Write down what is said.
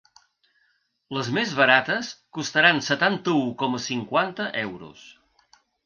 Les més barates costaran setanta-u coma cinquanta euros.